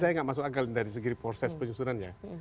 ini gak masuk akal dari segi proses penyusunannya